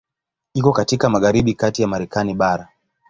Iko katika magharibi kati ya Marekani bara.